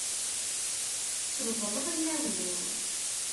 Teswezleḍ inaw-nni.